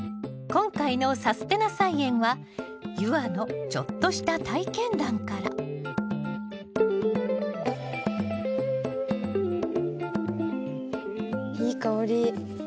今回の「さすてな菜園」は夕空のちょっとした体験談からいい香り。